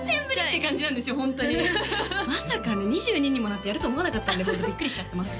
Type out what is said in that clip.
ホントにまさかね２２にもなってやると思わなかったんでビックリしちゃってます